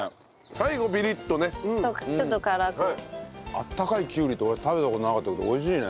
あったかいきゅうりって俺食べた事なかったけど美味しいね。